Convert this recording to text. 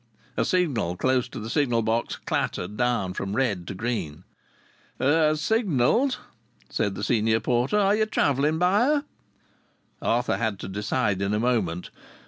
A signal close to the signal box clattered down from red to green. "Her's signalled," said the senior porter. "Are ye travelling by her?" Arthur had to decide in a moment.